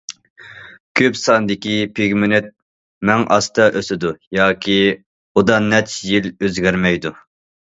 كۆپ ساندىكى پىگمېنت مەڭ ئاستا ئۆسىدۇ ياكى ئۇدا نەچچە يىل ئۆزگەرمەيدۇ.